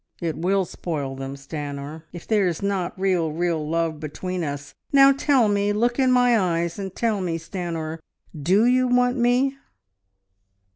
It will spoil them, Stanor, if there's not real, real love between us. Now tell me ... look in my eyes and tell me, Stanor ... do you want me?"